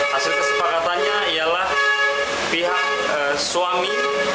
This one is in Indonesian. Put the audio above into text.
hasil kesepakatannya ialah pihak suami